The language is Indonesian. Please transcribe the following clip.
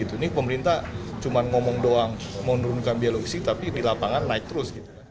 ini pemerintah cuma ngomong doang menurunkan biaya logistik tapi di lapangan naik terus